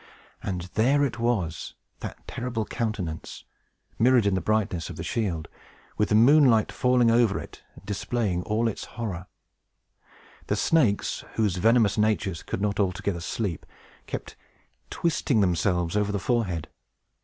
And there it was, that terrible countenance, mirrored in the brightness of the shield, with the moonlight falling over it, and displaying all its horror. The snakes, whose venomous natures could not altogether sleep, kept twisting themselves over the forehead.